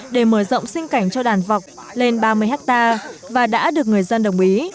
để mở rộng sinh cảnh cho đàn vọc lên ba mươi hectare và đã được người dân đồng ý